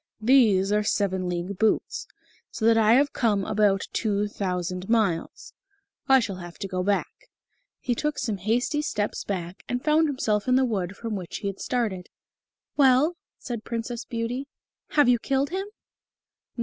These are seven league boots so that I have come about two thousand miles. I shall have to go back." He took some hasty steps back, and found himself in the wood from which he had started. "Well?" said Princess Beauty, "have you killed him?"